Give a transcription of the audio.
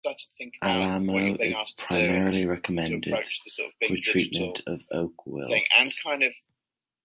Alamo is primarily recommended for treatment of oak wilt.